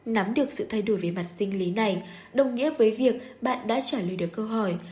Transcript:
nắm được sự thay đổi về mặt sinh lý này đồng nghĩa với việc bạn đã trả lời được câu hỏi